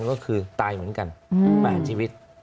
ก็คือตายเหมือนกันประหารชีวิต